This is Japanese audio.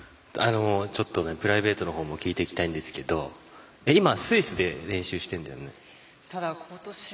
プライベートのほうも聞いていきたいんですけど今、スイスで練習してるんだよね。